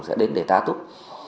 sẽ đến để tá túc